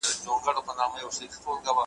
برېښنا، تالندي، غړومبی او جګ ږغونه `